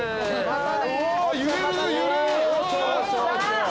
揺れる揺れる。